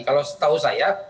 kalau tahu saya